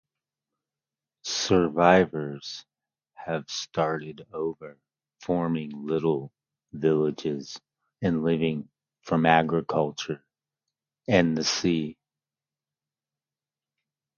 Survivors have started over, forming little villages and living from agriculture and the sea.